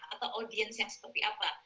atau audiens yang seperti apa